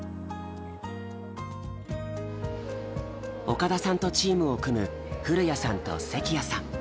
岡田さんとチームを組む古谷さんと関谷さん。